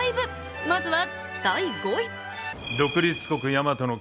まずは第５位。